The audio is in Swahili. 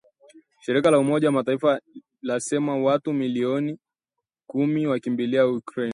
Shirika la umoja wa mataifa lasema Watu milioni kumi waikimbia Ukraine